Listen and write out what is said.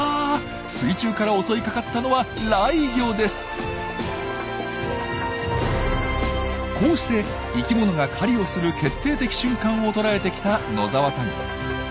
水中から襲いかかったのはこうして生きものが狩りをする決定的瞬間を捉えてきた野澤さん。